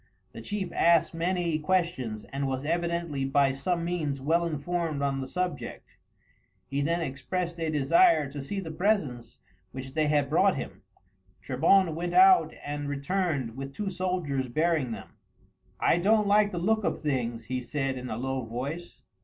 The chief asked many questions, and was evidently by some means well informed on the subject. He then expressed a desire to see the presents which they had brought him. Trebon went out and returned with two soldiers bearing them. "I don't like the look of things," he said in a low voice.